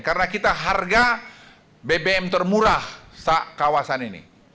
karena kita harga bbm termurah saat kawasan ini